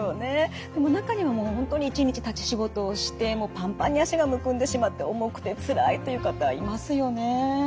でも中にはもう本当に一日立ち仕事をしてもうパンパンに脚がむくんでしまって重くてつらいという方いますよね。